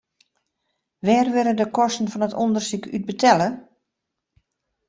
Wêr wurde de kosten fan it ûndersyk út betelle?